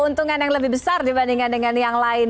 itu kembali kepada angka yang akan